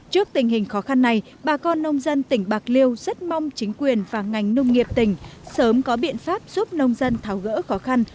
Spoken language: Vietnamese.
trước tình hình khó khăn này bà con nông dân tỉnh bạc liêu rất mong chính quyền và ngành nông nghiệp tỉnh sớm có biện pháp giúp nông dân tháo gỡ khó khăn